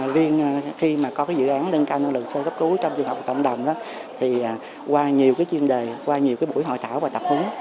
liên khi có dự án nâng cao năng lực sơ cấp cứu trong trường học và cộng đồng qua nhiều chuyên đề buổi hội thảo và tập huấn